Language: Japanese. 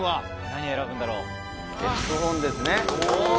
何選ぶんだろう？